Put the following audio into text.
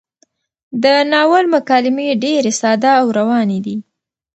د ناول مکالمې ډېرې ساده او روانې دي.